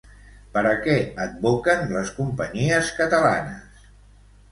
Per a què advoquen les companyies catalanes?